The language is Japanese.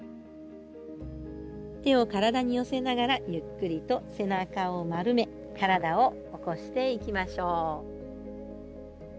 手を体に寄せながらゆっくりと背中を丸め体を起こしていきましょう。